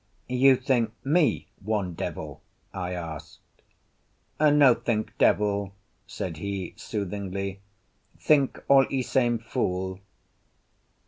"You think me one devil?" I asked. "No think devil," said he soothingly. "Think all e same fool."